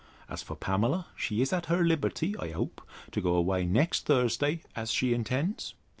As for Pamela, she is at her liberty, I hope, to go away next Thursday, as she intends?